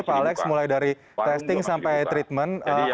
pak alex mulai dari testing sampai treatment